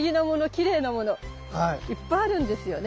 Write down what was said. きれいなものいっぱいあるんですよね。